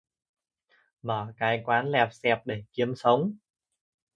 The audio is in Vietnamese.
Mở cái quán lẹp xẹp để kiếm sống